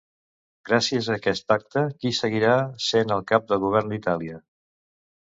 Gràcies a aquest pacte, qui seguirà sent el cap de govern d'Itàlia?